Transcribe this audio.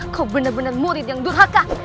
kau benar benar murid yang durhaka